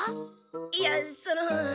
いやその。